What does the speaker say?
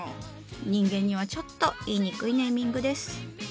人間にはちょっと言いにくいネーミングです。